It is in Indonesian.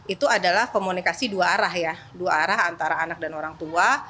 itu adalah komunikasi dua arah ya dua arah antara anak dan orang tua